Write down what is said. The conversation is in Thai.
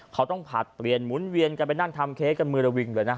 เขาต้องผลัดเปลี่ยนหมุนเวียนกันไปนั่งทำเค้กกันมือระวิงเลยนะ